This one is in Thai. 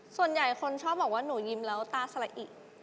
ส่วนใหญ่คนชอบบอกว่าหนูยิ้มแล้วตาสละอิ